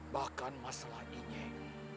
bahkan masalah inyek